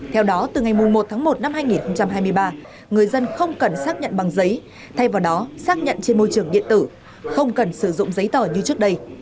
theo đó từ ngày một tháng một năm hai nghìn hai mươi ba người dân không cần xác nhận bằng giấy thay vào đó xác nhận trên môi trường điện tử không cần sử dụng giấy tờ như trước đây